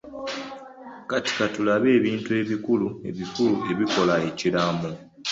Kati katulabe ebintu ebikulu ebikulu ebikola ekiraamo.